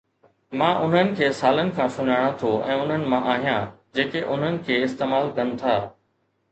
مان انھن کي سالن کان سڃاڻان ٿو ۽ انھن مان آھيان جيڪي انھن کي استعمال ڪن ٿا.